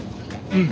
うん。